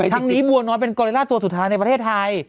ทั้งนี้บัวน้อยเป็นกอริล่าตัวสุดท้ายในประเทศไทย